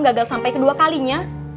gagal sampai kedua kalinya